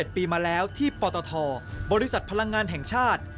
๗ปีมาแล้วที่ปตทบริษัทพลังงานแห่งชาติ